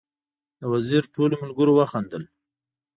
د وزیر ټولو ملګرو وخندل.